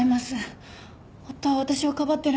夫は私をかばってるんです。